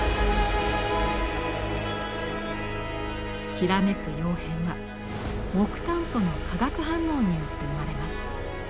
きらめく窯変は木炭との化学反応によって生まれます。